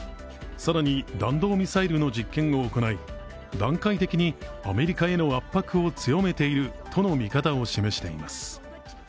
更に弾道ミサイルの実権を行い、段階的にアメリカへの圧迫を強めているとの見方を示しています。